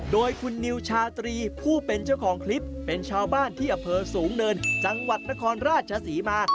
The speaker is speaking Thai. โดยคุณนิวชาตรีผู้เป็นเจ้าของคลิปเป็นชาวบ้านที่อำเภอสูงเนินจังหวัดนครราชศรีมา